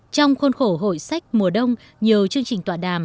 trong khuôn khổ hội sách mùa đông nhiều chương trình tọa đàm